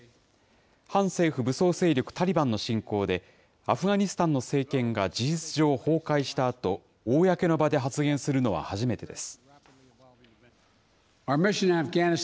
反政府武装勢力タリバンの進攻で、アフガニスタンの政権が事実上崩壊したあと、公の場で発言するのは初めてです。